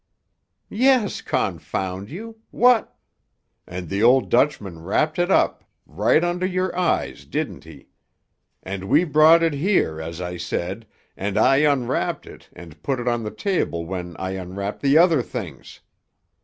"Yes, confound you! What——" "And the old Dutchman wrapped it up right under your eyes, didn't he? And we brought it here, as I said, and I unwrapped it and put it on the table when I unwrapped the other things.